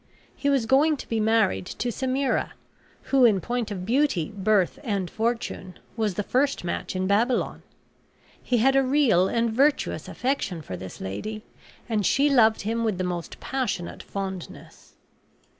He was going to be married to Semira, who, in point of beauty, birth, and fortune, was the first match in Babylon. He had a real and virtuous affection for this lady, and she loved him with the most passionate fondness.